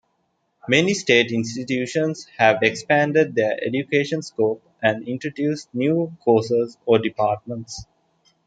Many state institutions have expanded their education scope and introduced new courses or departments.